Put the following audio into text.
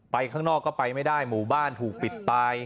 ข้างนอกก็ไปไม่ได้หมู่บ้านถูกปิดตาย